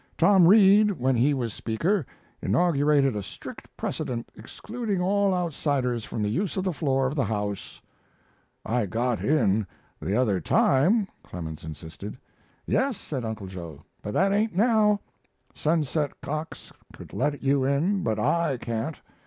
Tom Reed, when he was Speaker, inaugurated a strict precedent excluding all outsiders from the use of the floor of the House." "I got in the other time," Clemens insisted. "Yes," said Uncle Joe; "but that ain't now. Sunset Cox could let you in, but I can't.